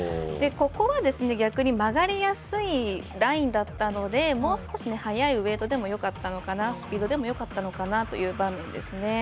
ここはですね、逆に曲がりやすいラインだったのでもう少し速いウエイトでもよかったのかなスピードでもよかったのかなという場面ですね。